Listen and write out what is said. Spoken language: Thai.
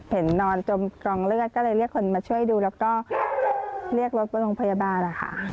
นอนจมกองเลือดก็เลยเรียกคนมาช่วยดูแล้วก็เรียกรถไปโรงพยาบาลนะคะ